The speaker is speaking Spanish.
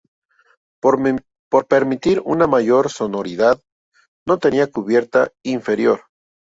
Para permitir una mayor sonoridad, no tenía cubierta inferior.